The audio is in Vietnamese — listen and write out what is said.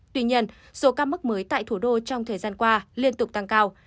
tuy nhiên số ca mắc mới tại thủ đô trong thời gian qua liên tục tăng cao